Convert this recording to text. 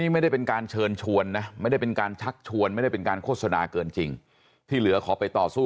ไม่ได้เป็นการเชิญชวนนะไม่ได้เป็นการชักชวนไม่ได้เป็นการโฆษณาเกินจริงที่เหลือขอไปต่อสู้